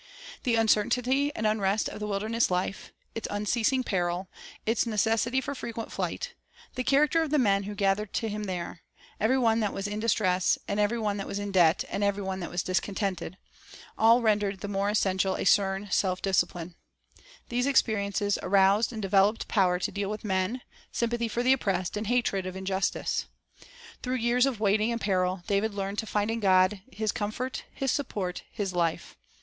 The uncertainty and unrest of the wilderness life, its unceasing peril, its necessity for frequent flight, the character of the men who gathered to him there, — "every one that was in distress, and every one that was in debt, and every one • that was discontented," 1 — all rendered the more essen tial a stern self discipline. These experiences aroused and developed power to deal with men, sympathy for the oppressed, and hatred of injustice. Through years of waiting and peril, David learned to find in God his comfort, his support, his life.